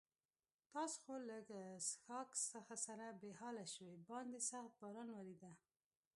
تاسې خو له لږ څښاک سره بې حاله شوي، باندې سخت باران ورېده.